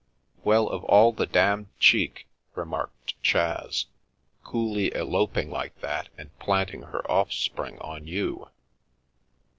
"Well, of all the damned cheek!" remarked Chas, " coolly eloping like that, and planting her offspring on you